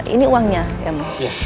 ini uangnya ya mas